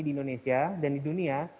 di indonesia dan di dunia